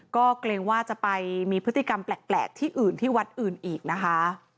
ก็เกรงว่าจะไปมีพฤติกรรมแปลกที่อื่นที่วัดอื่นอีกนะคะ